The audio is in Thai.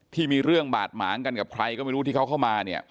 ที่มีเรื่องบาดหมางกันกับใครก็ไม่รู้ที่เขาเข้ามาเนี่ย